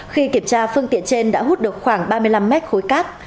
khi kiểm tra phương tiện trên đã hút được khoảng ba mươi năm mét khối cát